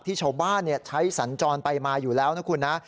ที่ชาวบ้านใช้สัญจรไปมาอยู่แล้วนะคุณนะ